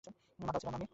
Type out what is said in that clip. মাতাল ছিলাম আমি!